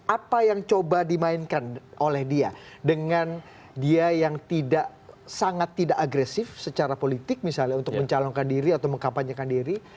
apa yang coba dimainkan oleh dia dengan dia yang tidak sangat tidak agresif secara politik misalnya untuk mencalonkan diri atau mengkampanyekan diri